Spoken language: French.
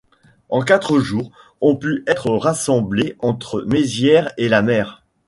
En quatre jours ont pu être rassemblés entre Mézières et la mer.